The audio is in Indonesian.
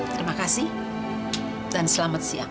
terima kasih dan selamat siang